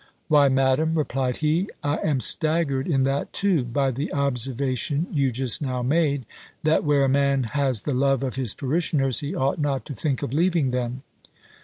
"Why, Madam," replied he, "I am staggered in that too, by the observation you just now made, that where a man has the love of his parishioners, he ought not to think of leaving them."